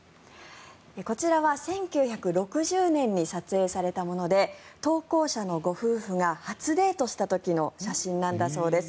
こちらは１９６０年に撮影されたもので投稿者のご夫婦が初デートした時の写真なんだそうです。